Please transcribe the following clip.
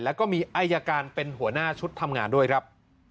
แล้วก็มีอายการเป็นหัวหน้าชุดทำงานด้วยครับ